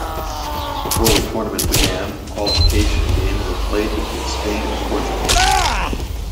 Before the tournament began, a qualification game was played between Spain and Portugal.